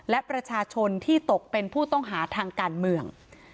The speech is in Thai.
และประชาชนที่ตกเป็นผู้ต้องหาทางการเมือง